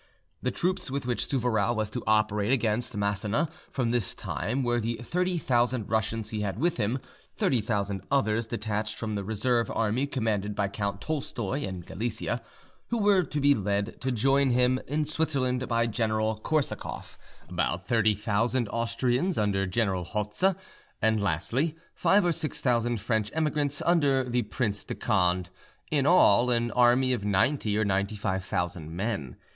The troops with which Souvarow was to operate against Massena from this time were the thirty thousand Russians he had with him, thirty thousand others detached from the reserve army commanded by Count Tolstoy in Galicia, who were to be led to join him in Switzerland by General Korsakoff, about thirty thousand Austrians under General Hotze, and lastly, five or six thousand French emigrants under the Prince de Conde in all, an army of ninety or ninety five thousand men.